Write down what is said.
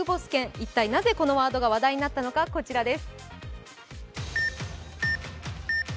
一体なぜこのワードが話題になったのか、こちらです。